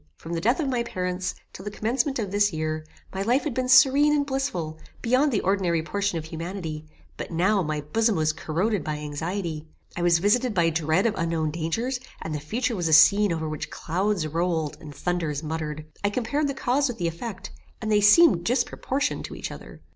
From the death of my parents, till the commencement of this year, my life had been serene and blissful, beyond the ordinary portion of humanity; but, now, my bosom was corroded by anxiety. I was visited by dread of unknown dangers, and the future was a scene over which clouds rolled, and thunders muttered. I compared the cause with the effect, and they seemed disproportioned to each other.